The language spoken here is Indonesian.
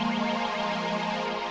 taruh di situ